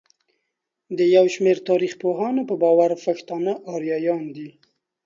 د يوشمېر تاريخپوهانو په باور پښتانه اريايان دي.